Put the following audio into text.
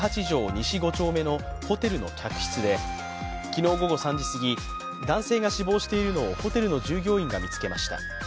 西５丁目のホテルの客室で、昨日午後３時すぎ男性が死亡しているのをホテルの従業員が見つけました。